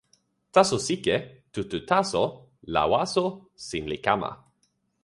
taso sike tu tu taso la waso sin li kama.